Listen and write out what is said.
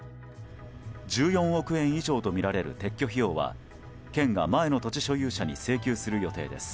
１４億円以上とみられる撤去費用は県が、前の土地所有者に請求する予定です。